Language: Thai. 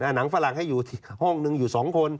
หนังฝรั่งให้อยู่อีกห้องนึงอยู่๒คน